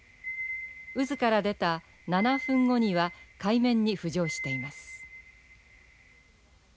渦から出た７分後には海面に浮上しています。